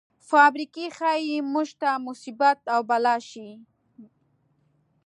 فابریکې ښايي موږ ته مصیبت او بلا شي.